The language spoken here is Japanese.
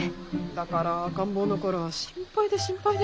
だから赤ん坊の頃は心配で心配で。